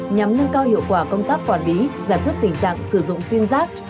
nhằm nâng cao hiệu quả công tác quản lý giải quyết tình trạng sử dụng sim giác